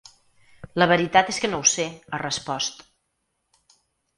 La veritat és que no ho sé, ha respost.